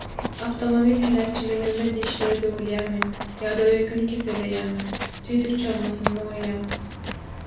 awtomobil heläkçiliginde dişleri döwülýärmi, ýa-da öýkeni keselleýärmi, tüýdük çalmasyny goýýar.